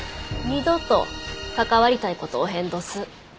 二度と関わりたい事おへんどす。